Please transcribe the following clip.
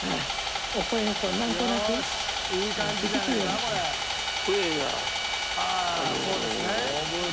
お声がこうなんとなく響くような気がしました。